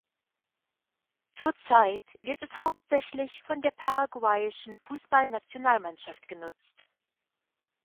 Zurzeit wird es hauptsächlich von der paraguayischen Fußballnationalmannschaft genutzt.